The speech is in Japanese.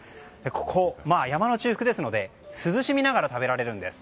ここ、山の中腹ですので涼しみながら食べられるんです。